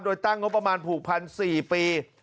โดยตั้งงบประมาณผูกพัน๔ปี